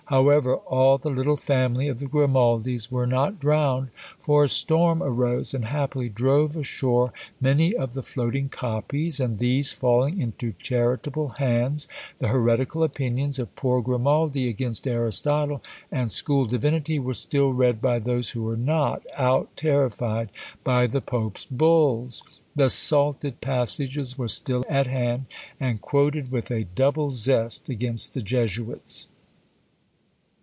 However, all the little family of the Grimaldis were not drowned for a storm arose, and happily drove ashore many of the floating copies, and these falling into charitable hands, the heretical opinions of poor Grimaldi against Aristotle and school divinity were still read by those who were not out terrified by the Pope's bulls. The salted passages were still at hand, and quoted with a double zest against the Jesuits!